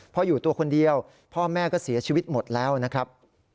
เพราะอยู่ตัวคนเดียวพ่อแม่ก็เสียชีวิตหมดแล้วนะครับ